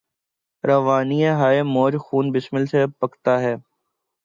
روانی ہاۓ موج خون بسمل سے ٹپکتا ہے